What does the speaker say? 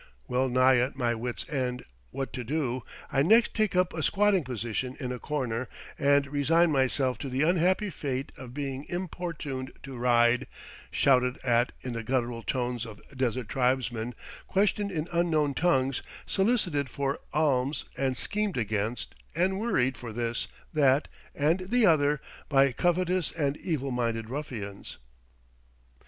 well nigh at my wit's end what to do, I next take up a squatting position in a corner and resign myself to the unhappy fate of being importuned to ride, shouted at in the guttural tones of desert tribesmen, questioned in unknown tongues, solicited for alms and schemed against and worried for this, that, and the other, by covetous and evil minded ruffians.